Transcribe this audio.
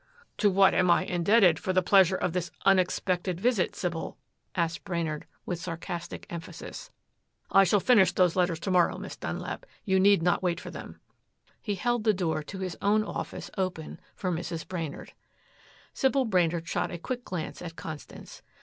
"To what am I indebted for the pleasure of this unexpected visit, Sybil?" asked Brainard with sarcastic emphasis. "I shall finish those letters to morrow, Miss Dunlap. You need not wait for them." He held the door to his own office open for Mrs. Brainard. Sybil Brainard shot a quick glance at Constance.